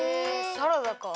サラダか。